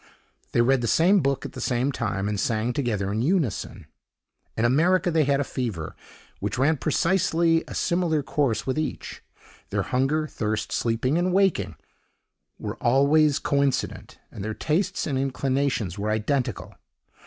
They read the same book at the same time, and sang together in unison. In America they had a fever, which ran precisely a similar course with each. Their hunger, thirst, sleeping, and waking, were alway coincident, and their tastes and inclinations were identical.